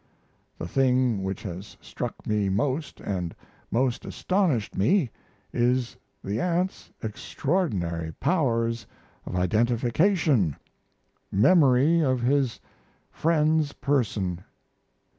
The thing which has struck me most and most astonished me is the ant's extraordinary powers of identification memory of his friend's person.